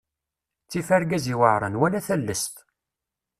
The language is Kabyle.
Ttif argaz iweɛṛen, wala tallest.